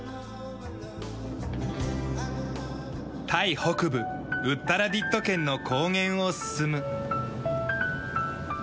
北部ウッタラディット県の高原を進む。